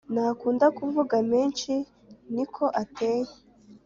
Ntakunda kuvuga menshi niko ateye